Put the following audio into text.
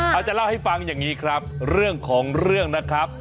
เราจะเล่าให้ฟังอย่างนี้ครับเรื่องของเรื่องนะครับ